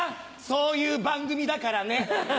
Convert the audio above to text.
そういう番組だからね。